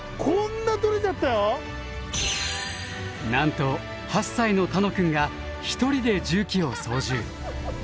なんと８歳の楽くんが一人で重機を操縦。